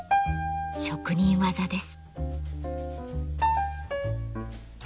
職人技です。